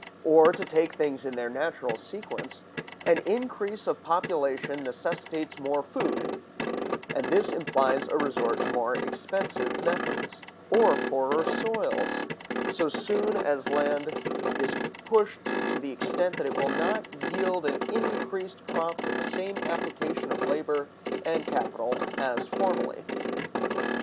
Or, to take things in their natural sequence, an increase of population necessitates more food; and this implies a resort to more expensive methods, or poorer soils, so soon as land is pushed to the extent that it will not yield an increased crop for the same application of labor and capital as formerly.